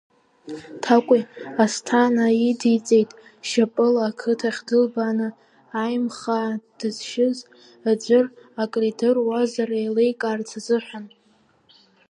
Ҭакәи Асҭана идиҵеит, шьапыла ақыҭахь дылбааны Аимхаа дызшьыз ӡәыр акридыруазар еиликаарц азыҳәан.